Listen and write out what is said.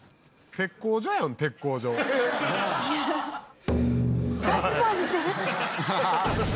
「鉄工所やん鉄工所」「ガッツポーズしてる」